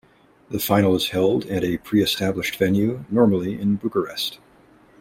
The final is held at a pre-established venue, normally in Bucharest.